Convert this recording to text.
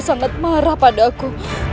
sangat marah padaku